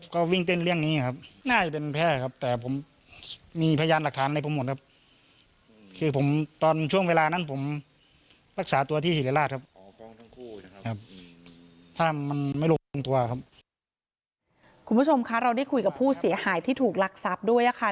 คุณผู้ชมคะเราได้คุยกับผู้เสียหายที่ถูกลักทรัพย์ด้วยค่ะ